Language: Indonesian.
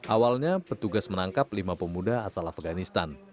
awalnya petugas menangkap lima pemuda asal afganistan